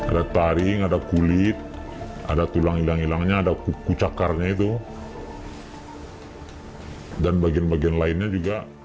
ada taring ada kulit ada tulang hilang hilangnya ada kuku cakarnya itu dan bagian bagian lainnya juga